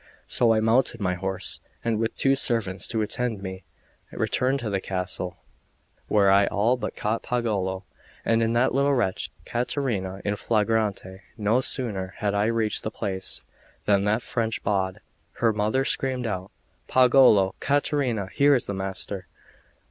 So I mounted my horse, and with two servants to attend me, returned to the castle, where I all but caught Pagolo and that little wretch Caterina 'in flagrante.' No sooner had I reached the place, than that French bawd, her mother, screamed out: "Pagolo! Caterina! here is the master!"